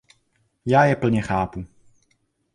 Já je plně chápu.